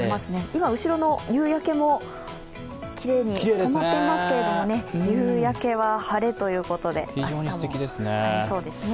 今後ろの夕焼けもきれいに染まっていますけれども夕焼けは晴れということで、明日も晴れになりそうですね。